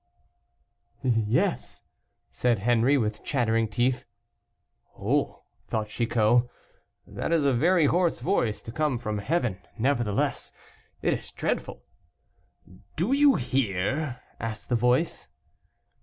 "Yes," said Henri, with chattering teeth. "Oh!" thought Chicot, "that is a very hoarse voice to come from heaven; nevertheless, it is dreadful." "Do you hear?" asked the voice.